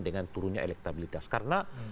dengan turunnya elektabilitas karena